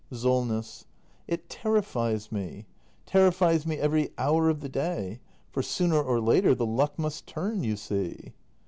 Solness. It terrifies me — terrifies me every hour of the day. For sooner or later the luck must turn, you see.